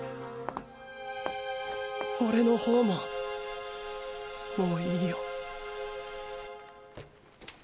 オレの方も“もういいよ”。